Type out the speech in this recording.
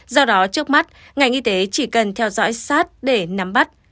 do đó trước mắt ngành y tế chỉ cần theo dõi sát để nắm bắt